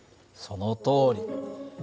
そのとおり。